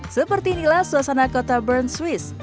seperti inilah suasana kota bern swiss